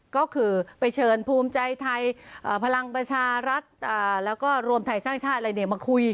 ก็คือไปเชิญภูมิใจไทยพลังประชารัฐแล้วก็รวมไทยสร้างชาติอะไรมาคุย